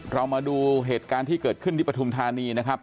เรามาดูเหตุการณ์ที่เกิดขึ้นที่ปฐุมธานีนะครับ